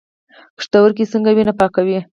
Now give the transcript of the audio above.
پښتورګي څنګه وینه پاکوي؟